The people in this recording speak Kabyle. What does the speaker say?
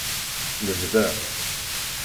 Nebda.